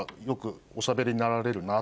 おしゃべりになられるな？